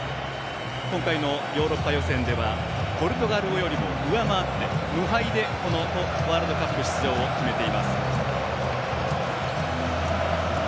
今回のヨーロッパ予選ではポルトガルよりも上回って無敗でワールドカップ出場を決めています。